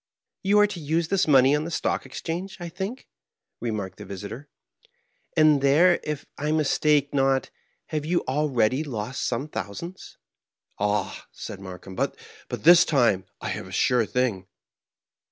" Ton are to use this money on the Stock Exchange, I think ?'' remarked the visitor ;" and there, if I mis take not, you have already lost some thousands?'' ^^ Ah," said Markheim, "but this time I have a sure thing."